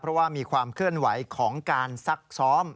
เพราะว่ามีความเคลื่อนไหวของการซักซ้อม